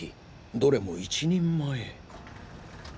どれも一人前。